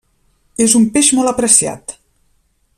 És un peix molt apreciat.